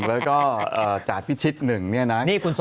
แล้วก็จาดพิชชิตหนึ่งเนี่ยนะ